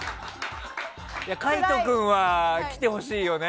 海人君は来てほしいよね。